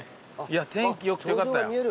天気良くてよかったよ。